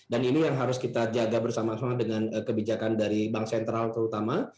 dan ini yang harus kita jaga bersama sama dengan kebijakan dari bank sentral terutama